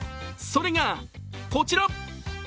それがこちら。